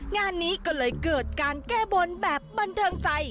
งานนี้ก็เลยเกิดการแก้บนแบบบันเทิงใจ